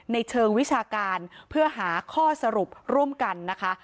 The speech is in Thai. ในเชิงวิชาการเพื่อหาข้อสรุปร่วมกันนะคะ